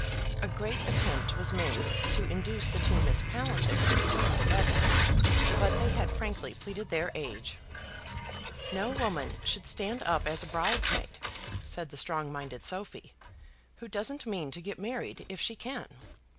A great attempt was made to induce the two Miss Pallisers to join the bevy, but they had frankly pleaded their age. "No woman should stand up as a bridesmaid," said the strong minded Sophy, "who doesn't mean to get married if she can.